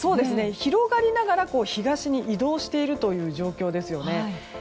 広がりながら東に移動している状況ですよね。